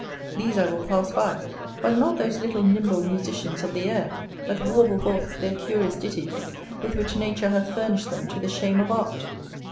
These I will pass by, but not those little nimble musicians of the air, that warble forth their curious ditties, with which nature hath furnished them to the shame of art.